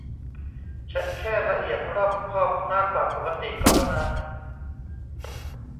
ฉันแค่ละเอียดรอบคอบมากกว่าปกติก็เท่านั้น